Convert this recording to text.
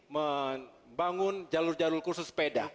membangun jalur jalur kursus sepeda